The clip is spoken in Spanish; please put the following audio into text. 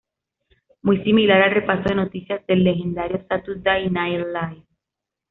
Muy similar al repaso de noticias del legendario "Saturday Night Live".